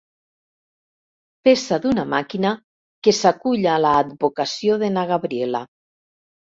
Peça d'una màquina que s'acull a l'advocació de na Gabriela.